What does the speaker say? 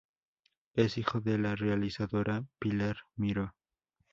Es hijo de la realizadora Pilar Miró.